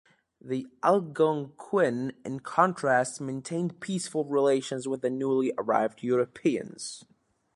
The Algonquin in contrast maintained peaceful relations with the newly arrived Europeans.